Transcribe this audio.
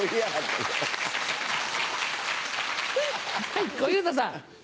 はい小遊三さん。